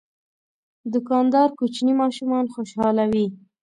دوکاندار کوچني ماشومان خوشحالوي.